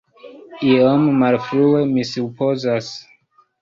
Iom malfrue, mi supozas.